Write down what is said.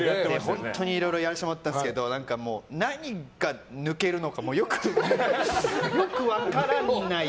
本当にいろいろやらせてもらったんですけど何が抜けるのかもよく分からない。